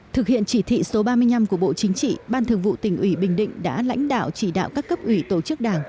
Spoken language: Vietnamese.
thực hiện chỉ thị số ba mươi năm của bộ chính trị ban thường vụ tỉnh ủy bình định đã lãnh đạo chỉ đạo các cấp ủy tổ chức đảng